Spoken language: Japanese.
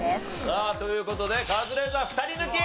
さあという事でカズレーザー２人抜き！